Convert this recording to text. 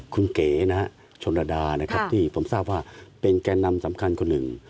คุณเก๋นะฮะชนระดานะครับที่ผมทราบว่าเป็นแก่นำสำคัญคนหนึ่ง